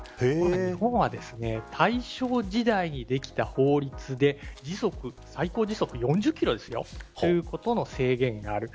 日本は大正時代にできた法律で最高時速が４０キロという制限があります。